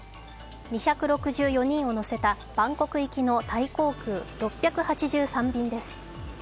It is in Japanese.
２６４人を乗せたバンコク行きのタイ航空６８３便です。